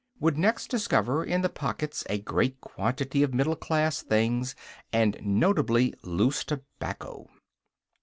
would next discover in the pockets a great quantity of middle class things, and notably loose tobacco....